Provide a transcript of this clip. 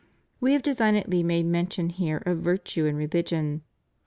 We have designedly made mention here of virtue and religion.